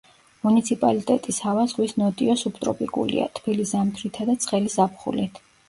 მუნიციპალიტეტის ჰავა ზღვის ნოტიო სუბტროპიკულია, თბილი ზამთრითა და ცხელი ზაფხულით.